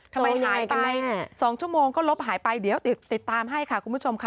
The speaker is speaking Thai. ทำไมหายไป๒ชั่วโมงก็ลบหายไปเดี๋ยวติดตามให้ค่ะคุณผู้ชมค่ะ